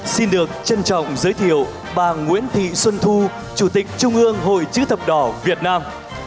xin được trân trọng giới thiệu bà nguyễn thị xuân thu chủ tịch trung ương hội chữ thập đỏ việt nam